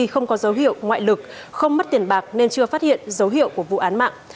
không có dấu hiệu ngoại lực không mất tiền bạc nên chưa phát hiện dấu hiệu của vụ án mạng